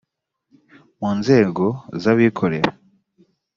mu nzego z abikorera